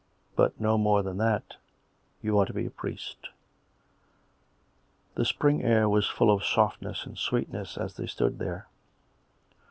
But no more than that. ... You are to be a priest." The spring air was full of softness and sweetness as they stood there.